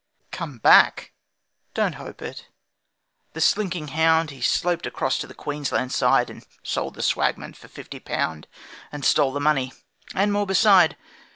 Come back! Don't hope it the slinking hound, He sloped across to the Queensland side, And sold the Swagman for fifty pound, And stole the money, and more beside.